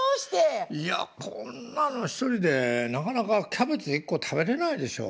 いやこんなの１人でなかなかキャベツ１個食べれないでしょう。